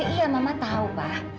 iya mama tahu pak